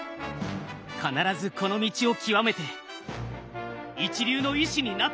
必ずこの道を究めて一流の医師になってやる！